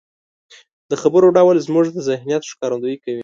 د خبرو ډول زموږ د ذهنيت ښکارندويي کوي.